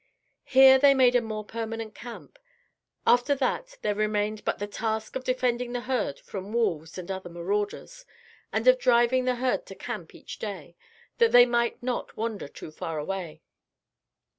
Here they made a more permanent camp. After that there remained but the task of defending the herd from wolves and other marauders, and of driving the herd to camp each day, that they might not wander too far away.